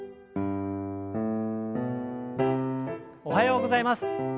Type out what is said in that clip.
おはようございます。